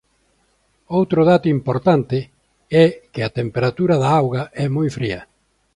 Outro dato importante é que a temperatura da auga é moi fría.